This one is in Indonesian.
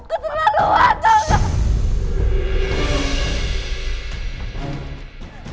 kau terlalu wajar